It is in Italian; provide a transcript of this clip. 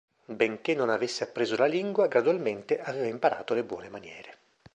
Benché non avesse appreso la lingua, gradualmente aveva imparato le buone maniere.